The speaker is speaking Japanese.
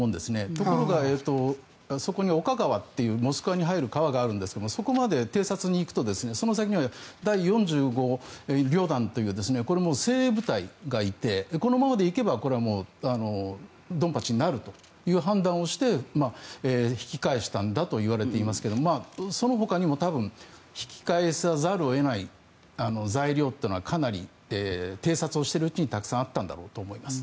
ところがそこにオカ川っていうモスクワに入る川があるんですがその先には第４５旅団というこれも精鋭部隊がいてこのままで行けばこれはドンパチになるという判断をして引き返したんだといわれていますけどそのほかにも多分、引き返さざるを得ない材料というのはかなり偵察をしているうちにたくさんあったんだと思います。